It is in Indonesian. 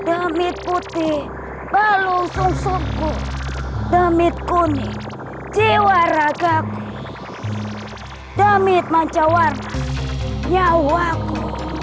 aku tidak mau jadi harimau lagi